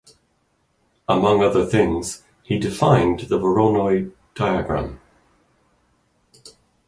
Among other things, he defined the Voronoi diagram.